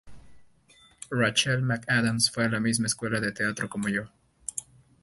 Rachel McAdams fue a la misma escuela de teatro como yo.